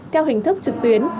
theo hình thức trực tuyến